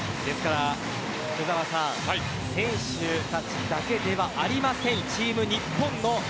福澤さん選手たちだけではありません。